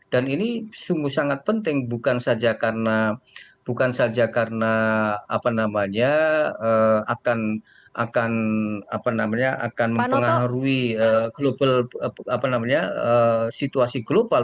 dan ini sungguh sangat penting bukan saja karena akan mempengaruhi situasi global